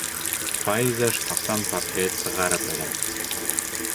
Файза шкафтан портрет сығарып элә.